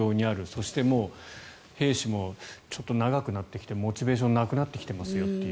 そして兵士も長くなってきてモチベーションがなくなってきていますよと。